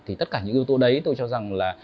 thì tất cả những yếu tố đấy tôi cho rằng là